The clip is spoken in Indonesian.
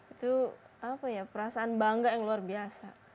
itu apa ya perasaan bangga yang luar biasa